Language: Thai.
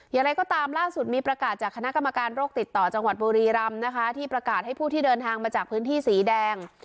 อย่างไรก็ตามล่าสุดมีประกาศจากคณะกรรมการโรคติดต่อจังหวัดบุรีรำนะคะที่ประกาศให้ผู้ที่เดินทางมาจากพื้นที่สีแดง